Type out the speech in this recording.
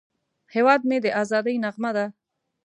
هیواد مې د ازادۍ نغمه ده